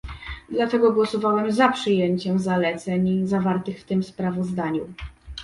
Dlatego głosowałem za przyjęciem zaleceń zawartych w tym sprawozdaniu